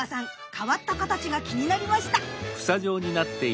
変わった形が気になりました。